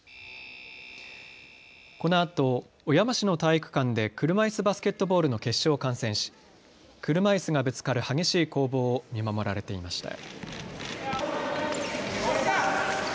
このあと、小山市の体育館で車いすバスケットボールの決勝を観戦し車いすがぶつかる激しい攻防を見守られていました。